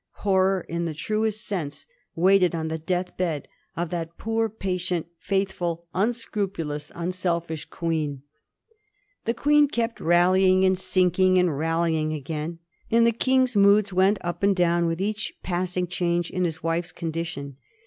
Horror in the truest sense waited on the death bed of that poor, patient, faithful, unscrupulous, un selfish Queen. The Queen kept rallying and sinking, and rallying again; and the King's moods went up and down with each passing change in his wife's condition.